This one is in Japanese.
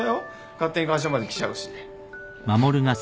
勝手に会社まで来ちゃうし。